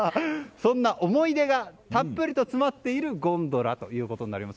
そんな思い出がたっぷりと詰まっているゴンドラということです。